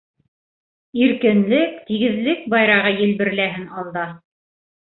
Иркенлек тигеҙлек байрағы елберләһен алда.